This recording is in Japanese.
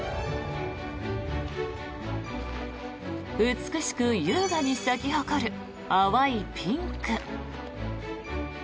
美しく優雅に咲き誇る淡いピンク。